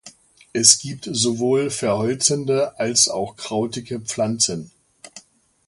Es gibt sowohl verholzende als auch krautige Pflanzen.